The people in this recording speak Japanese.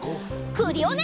クリオネ！